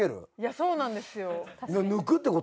そうなんですよ。